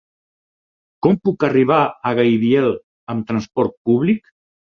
Com puc arribar a Gaibiel amb transport públic?